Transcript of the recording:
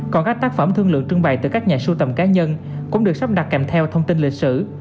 còn các tác phẩm thương lượng trưng bày từ các nhà sưu tầm cá nhân cũng được sắp đặt kèm theo thông tin lịch sử